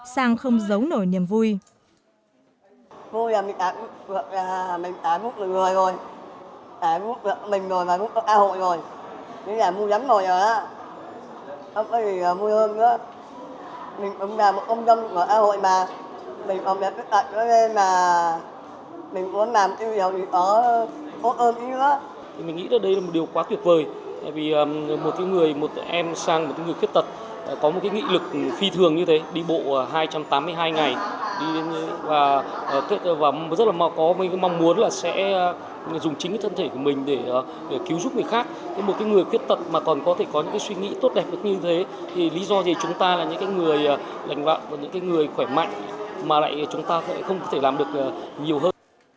sang không giấu nổi niềm vui